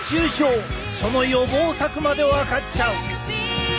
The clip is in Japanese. その予防策までわかっちゃう！